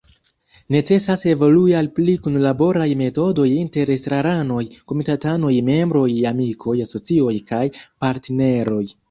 Necesas evolui al pli kunlaboraj metodoj inter estraranoj, komitatanoj, membroj, amikoj, asocioj kaj partneroj.